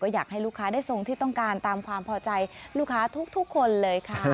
อยากให้ลูกค้าได้ทรงที่ต้องการตามความพอใจลูกค้าทุกคนเลยค่ะ